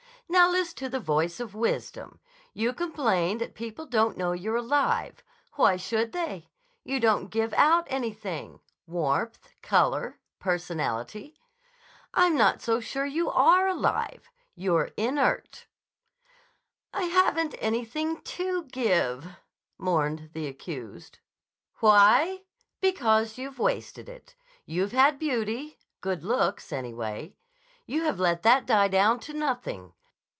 "Now list to the voice of wisdom. You complain that people don't know you're alive. Why should they? You don't give out anything—warmth, color, personality. I'm not so sure you are alive. You're inert." "I haven't anything to give," mourned the accused. "Why? Because you've wasted it. You've had beauty; good looks, anyway. You have let that die down to nothing.